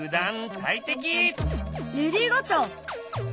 レディー・ガチャ！